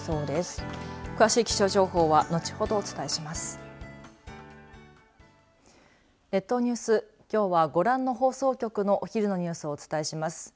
列島ニュース、きょうはご覧の放送局のお昼のニュースをお伝えします。